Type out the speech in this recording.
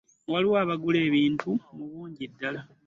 Waliwo abagula ebintu mu bungi ddala.